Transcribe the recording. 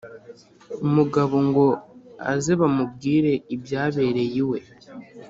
umugabo ngo aze bamubwira ibyabereye iwe